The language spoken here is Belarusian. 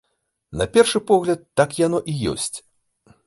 На першы погляд, так яно і ёсць.